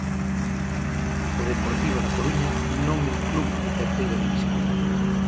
O Deportivo da Coruña non é un club de terceira división.